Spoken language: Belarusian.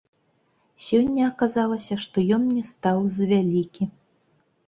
Сёння аказалася, што ён мне стаў завялікі.